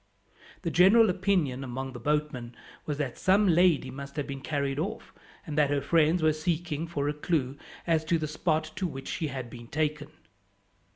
The general opinion, among the boatmen, was that some lady must have been carried off, and that her friends were seeking for a clue as to the spot to which she had been taken.